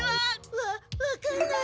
わっわかんない。